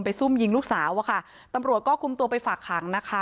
ซุ่มยิงลูกสาวอะค่ะตำรวจก็คุมตัวไปฝากขังนะคะ